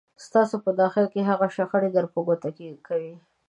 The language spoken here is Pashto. ستاسو په داخل کې هغه شخړې در په ګوته کوي.